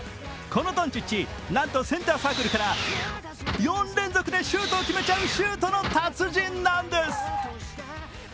このドンチッチ、なんとセンターサークルから４連続でシュートを決めちゃうシュートの達人なんです。